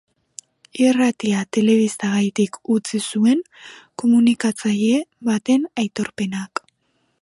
Irratia telebistagatik utzi zuen komunikatzaile baten aitorpenak.